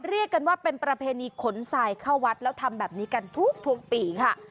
เรียกกันว่าเป็นประเพณีขนทรายเข้าวัดแล้วทำแบบนี้กันทุกปีค่ะ